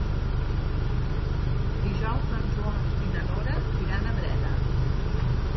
Dijous en Joan i na Nora iran a Breda.